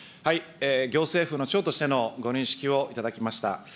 行政府の長としてのご認識をいただきました。